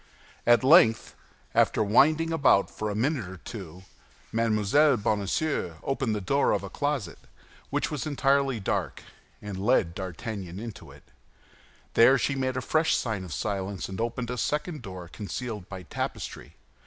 At length, after winding about for a minute or two, Mme. Bonacieux opened the door of a closet, which was entirely dark, and led D'Artagnan into it. There she made a fresh sign of silence, and opened a second door concealed by tapestry.